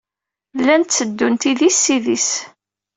Llant tteddunt idis s idis.